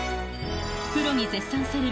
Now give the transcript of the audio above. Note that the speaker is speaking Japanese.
プロに絶賛される